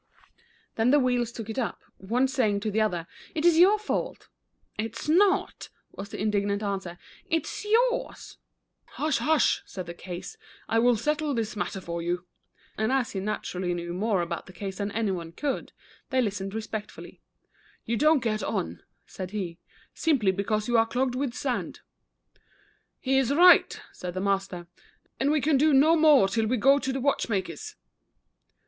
Then the wheels took it up, one saying to the other :" It is your fault." The Runaway Watch. 1 1 7 '* It "s not, " was the indignant answer, " it 's " Hush, hush," said the case, •* I will settle this matter for you," and as he naturally knew more about the case than anyone could, they listened respectfully. " You don't get on," said he, "simply because you are clogged with sand." " He is right," said the master, and we can do no more till we go to the watchmaker s."